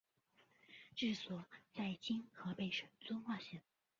治所在今河北省遵化市。